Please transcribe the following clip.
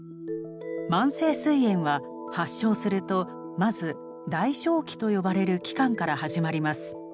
慢性すい炎は発症するとまず代償期と呼ばれる期間から始まります。